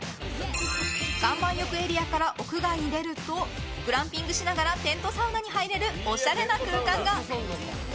岩盤浴エリアから屋外に出るとグランピングしながらテントサウナに入れるおしゃれな空間が。